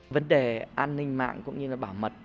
vấn đề an ninh mạng cũng như bảo mật